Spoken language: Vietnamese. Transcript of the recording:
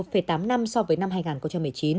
một tám năm so với năm hai nghìn một mươi chín